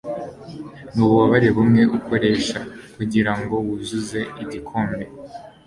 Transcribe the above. nububabare bumwe ukoresha kugirango wuzuze igikombe